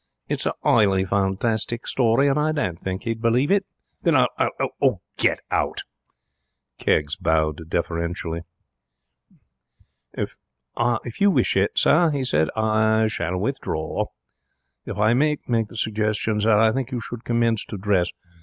It is a 'ighly fantastic story, and I don't think he would believe it.' 'Then I'll Oh, get out!' Keggs bowed deferentially. 'If you wish it, sir,' he said, 'I will withdraw. If I may make the suggestion, sir, I think you should commence to dress.